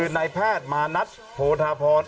ในแพทมานัทโภธาพร